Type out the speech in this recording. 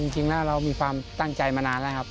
จริงแล้วเรามีความตั้งใจมานานแล้วครับ